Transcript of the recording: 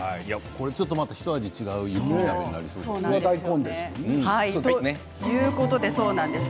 ひと味違うものになりそうですね。